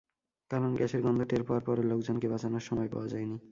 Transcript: কারণ, গ্যাসের গন্ধ টের পাওয়ার পরও লোকজনকে বাঁচানোর সময় পাওয়া যায়নি।